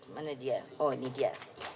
mana dia oh ini dia